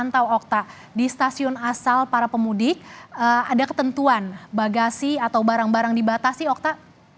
atau okta di stasiun asal para pemudik ada ketentuan bagasi atau barang barang dibatasi okta